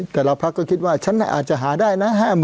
แต่ละพักก็คิดว่าฉันอาจจะหาได้นะ